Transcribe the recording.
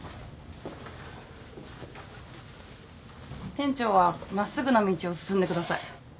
店長は真っすぐな道を進んでください。